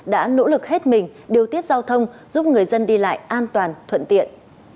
đã nỗ lực hết mình điều tiết giao thông giúp người dân đi lại an toàn thuận tiện